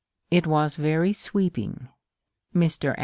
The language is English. It was very sweeping. Mr.